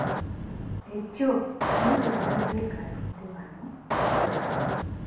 Ejjo ani gwe nalabye nga atudde wano?